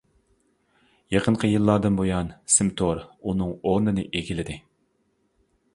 يېقىنقى يىللاردىن بۇيان سىم تور ئۇنىڭ ئورنىنى ئىگىلىدى.